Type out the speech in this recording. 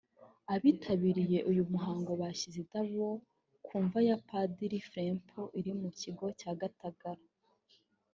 Abitabiriye uyu muhango bashyize indabyo ku mva ya Padiri Fraipont iri mu kigo cya Gatagara